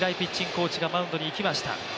コーチがマウンドに行きました。